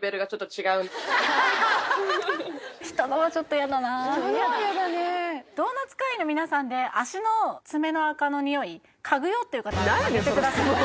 アハハ人のはちょっとやだな人のはやだねドーナツ会員の皆さんで足の爪のあかのにおい嗅ぐよっていう方あげてください